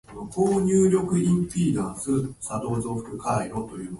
今日は足が臭いな